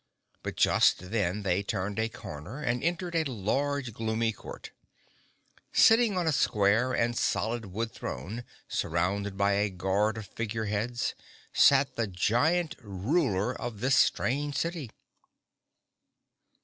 But just then they turned a corner and entered a large gloomy court. Sitting on a square and solid wood throne, surrounded by a guard of Figure Heads, sat the Giant Ruler of this strange city.